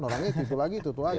orangnya itu lagi itu lagi